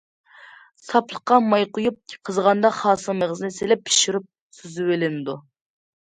ساپلىققا ماي قۇيۇپ، قىزىغاندا خاسىڭ مېغىزىنى سېلىپ، پىشۇرۇپ سۈزۈۋېلىنىدۇ.